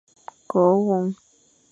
Ko won.